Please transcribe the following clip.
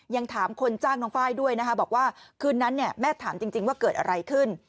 ยังถามคนจ้างน้องไฟล์ด้วยนะคะบอกว่าคืนนั้นแม่ถามจริงว่าเกิดอะไรขึ้น